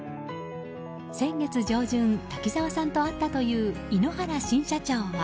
先月上旬滝沢さんと会ったという井ノ原新社長は。